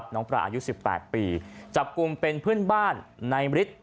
น้องปลาอายุ๑๘ปีจับกลุ่มเป็นเพื่อนบ้านในมฤทธิ์